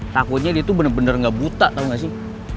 takutnya dia tuh bener bener gak buta tau gak sih